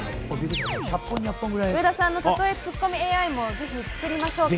上田さんのたとえツッコミＡＩもぜひ、作りましょうか？